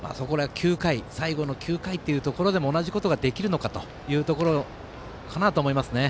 最後の９回というところでも同じことができるのかというところかと思いますね。